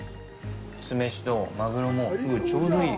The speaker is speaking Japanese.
酢飯とマグロもちょうどいい。